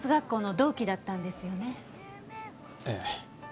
ええ。